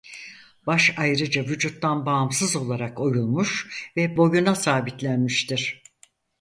Baş ayrıca vücuttan bağımsız olarak oyulmuş ve boyuna sabitlenmiştir.